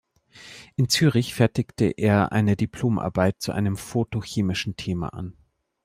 In Zürich fertigte er eine Diplomarbeit zu einem photochemischen Thema an.